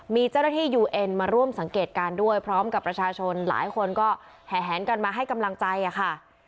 มีเจ้าหน้าที่ยูเอ็นมาร่วมสังเกตการณ์ด้วยพร้อมกับประชาชนหลายคนก็แหนกันมาให้กำลังใจค่ะ